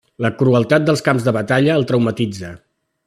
La crueltat dels camps de batalla el traumatitza.